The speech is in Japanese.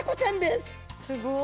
すごい！